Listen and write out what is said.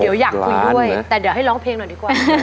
เดี๋ยวอยากคุยด้วยแต่เดี๋ยวให้ร้องเพลงหน่อยดีกว่า